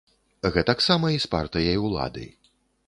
Гэтак сама і з партыяй улады.